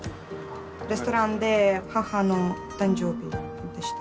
レストランで母の誕生日でした。